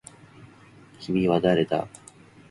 君は誰だ